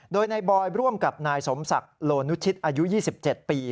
โดยนายบอยร่วมกับนายสมศักดิ์โลนุชิตอายุ๒๗ปี